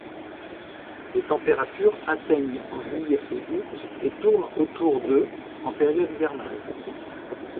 Les températures atteignent en juillet et août, et tourne autour de en période hivernale.